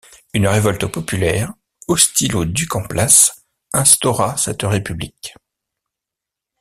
Une révolte populaire, hostile au duc en place, instaura cette république.